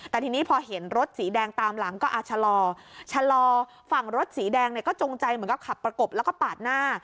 แต่ทีนี้พอเห็นรถสีแดงตามหลังก็ชะลอชะลอฝั่งรถสีแดงเนี่ยก็จงใจเหมือนกับขับประกบแล้วก็ปาดหน้า